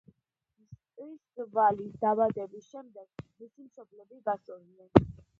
მსტისლავის დაბადების შემდეგ მისი მშობლები გაშორდნენ.